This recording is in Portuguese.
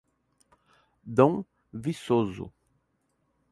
Dom Viçoso